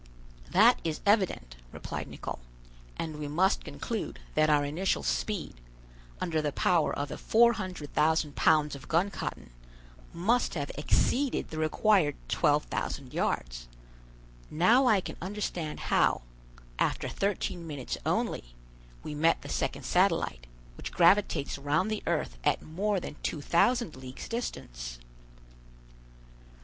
"That is evident," replied Nicholl; "and we must conclude that our initial speed, under the power of the 400,000 pounds of gun cotton, must have exceeded the required 12,000 yards. Now I can understand how, after thirteen minutes only, we met the second satellite, which gravitates round the earth at more than 2,000 leagues' distance."